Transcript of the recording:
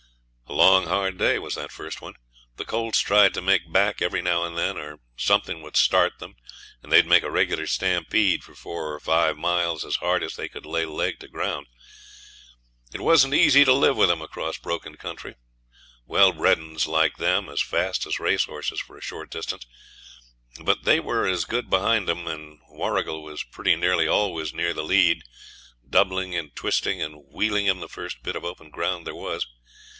A long, hard day was that first one. The colts tried to make back every now and then, or something would start them, and they'd make a regular stampede for four or five miles as hard as they could lay leg to ground. It wasn't easy to live with 'em across broken country, well bred 'uns like them, as fast as racehorses for a short distance; but there were as good behind 'em, and Warrigal was pretty nearly always near the lead, doubling and twisting and wheeling 'em the first bit of open ground there was.